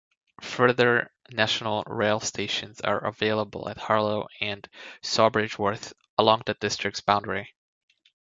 Further National Rail stations are available at Harlow, and Sawbridgeworth, along the District's boundary.